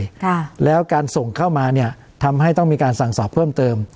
ค่ะแล้วการส่งเข้ามาเนี้ยทำให้ต้องมีการสั่งสอบเพิ่มเติม